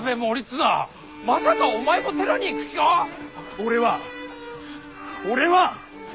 俺は俺は！